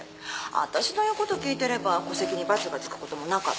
私の言うこと聞いてれば戸籍にバツが付くこともなかったのに。